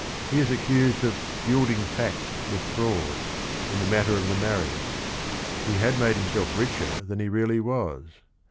H e is accused of "gilding fact with fraud" in the matter of the marriage; he had made himself richer than he really was.